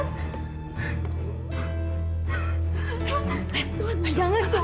tuhan jangan tuhan